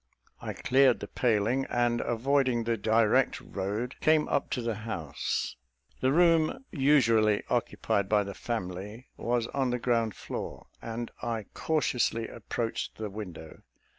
I cleared the paling; and, avoiding the direct road, came up to the house. The room usually occupied by the family was on the ground floor, and I cautiously approached the window.